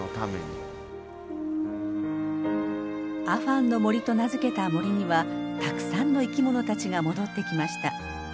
アファンの森と名付けた森にはたくさんの生き物たちが戻ってきました。